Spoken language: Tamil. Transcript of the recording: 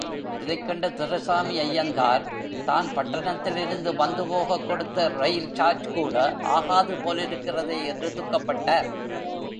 இதைக் கண்ட துரைசாமி ஐயங்கார் தான் பட்டணத்திலிருந்து வந்துபோகக் கொடுத்த ரெயில் சார்ஜுகூட ஆகாது போலிருக்கிறதே என்று துக்கப்பட்டார்.